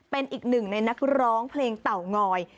เป็นอีกหนึ่งในนักร้องเพลงเต่างอย